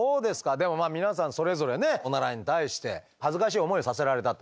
でもまあ皆さんそれぞれねオナラに対して恥ずかしい思いをさせられたと。